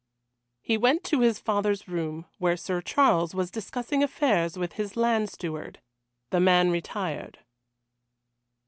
He went to his father's room, where Sir Charles was discussing affairs with his land steward. The man retired.